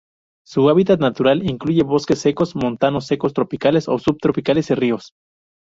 Su hábitat natural incluye bosques secos, montanos secos tropicales o subtropicales y ríos.